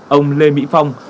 ông lê mỹ phong